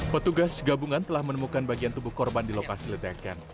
petugas gabungan telah menemukan bagian tubuh korban di lokasi ledakan